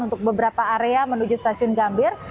untuk beberapa area menuju stasiun gambir